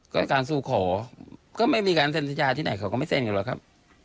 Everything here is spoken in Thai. ก็การสู้ขอก็ไม่มีการเซ็นสัญญาที่ไหนเขาก็ไม่เซ็นอยู่หรอกครับ